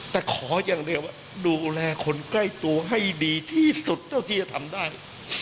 แต่ขออย่างเดียวว่าดูแลคนใกล้ตัวให้ดีที่สุดเท่าที่จะทำได้